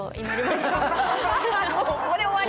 ここで終わり？